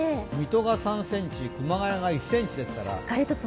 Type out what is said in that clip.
水戸が３ｃｍ、熊谷が１ｃｍですから。